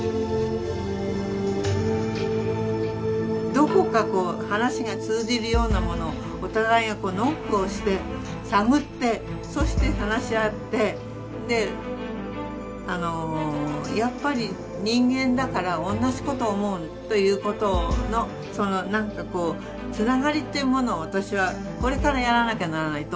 どこかこう話が通じるようなものをお互いがノックをして探ってそして話し合ってやっぱり人間だから同じことを思うということのその何かこうつながりというものを私はこれからやらなきゃならないと思ってますね。